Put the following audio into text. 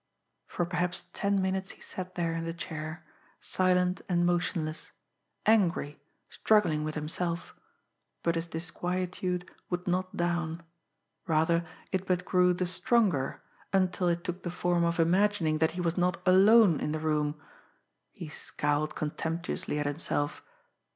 For perhaps ten minutes he sat there in the chair, silent and motionless, angry, struggling with himself but his disquietude would not down; rather, it but grew the stronger, until it took the form of imagining that he was not alone in the room. He scowled contemptuously at himself.